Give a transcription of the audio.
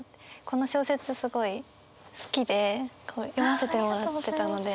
この小説すごい好きで読ませてもらってたので。